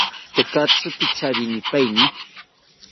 Tekatzi picharinipaeni